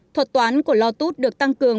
thuật toán của lotus được tăng cường